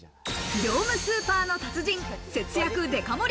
業務スーパーの達人、節約デカ盛り